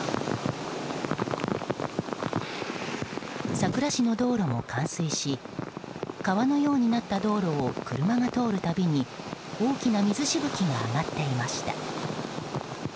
佐倉市の道路も冠水し川のようになった道路を車が通るたびに大きな水しぶきが上がっていました。